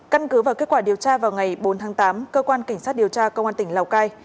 căn cứ và kết quả điều tra vào ngày bốn tháng tám cơ quan cảnh sát điều tra công an tỉnh lào cai